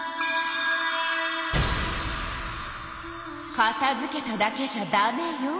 かたづけただけじゃダメよ。